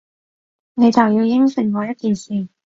你就要應承我一件事